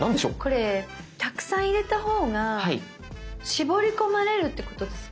これたくさん入れた方が絞り込まれるってことですか？。